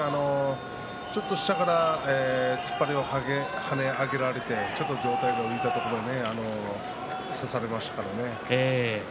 下から突っ張りを跳ね上げられて体が浮いたところを差されましたからね。